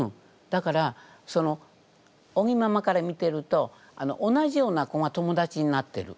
だから尾木ママから見てると同じような子が友だちになってる。